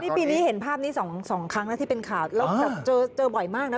นี่ปีนี้เห็นภาพนี้๒ครั้งนะที่เป็นข่าวแล้วเจอบ่อยมากนะ